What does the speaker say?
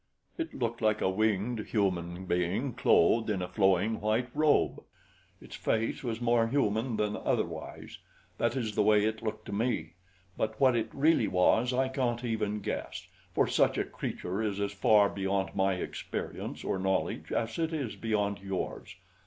"It looked like a winged human being clothed in a flowing white robe. Its face was more human than otherwise. That is the way it looked to me; but what it really was I can't even guess, for such a creature is as far beyond my experience or knowledge as it is beyond yours.